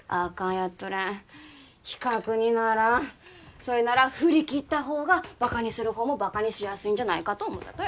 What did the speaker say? やっとれん比較にならんそいなら振り切ったほうがバカにするほうもバカにしやすいんじゃないかと思ったとよ